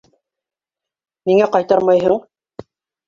Ниңә ҡайтармайһың?